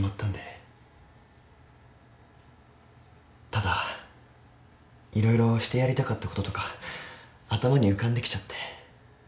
ただ色々してやりたかったこととか頭に浮かんできちゃって。